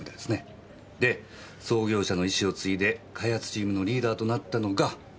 で創業者の遺志を継いで開発チームのリーダーとなったのが。